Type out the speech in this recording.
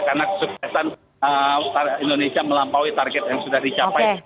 karena kesuksesan indonesia melampaui target yang sudah dicapai